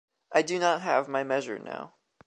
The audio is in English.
I do not have my measure now.